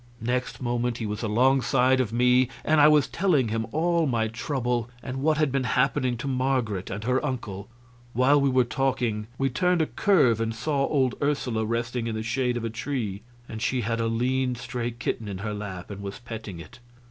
Next moment he was alongside of me and I was telling him all my trouble and what had been happening to Marget and her uncle. While we were talking we turned a curve and saw old Ursula resting in the shade of a tree, and she had a lean stray kitten in her lap and was petting it.